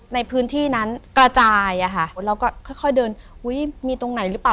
ในพื้นที่นั้นกระจายอ่ะค่ะเราก็ค่อยเดินอุ้ยมีตรงไหนหรือเปล่า